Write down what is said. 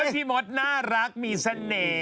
พี่มดน่ารักมีเสน่ห์